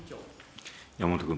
山本君。